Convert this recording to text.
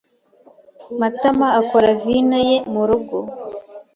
Matama akora vino ye murugo.